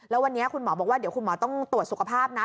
แล้ววันนี้คุณหมอบอกว่าเดี๋ยวคุณหมอต้องตรวจสุขภาพนะ